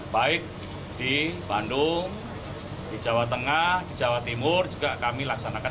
baik di bandung di jawa tengah di jawa timur juga kami laksanakan